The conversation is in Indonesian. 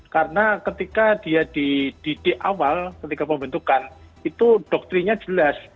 karena ketika dia dididik awal ketika pembentukan itu doktrinya jelas